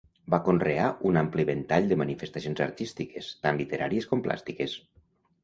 Va conrear un ampli ventall de manifestacions artístiques, tant literàries com plàstiques.